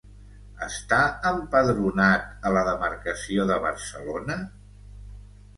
Està empadronat a la demarcació de Barcelona?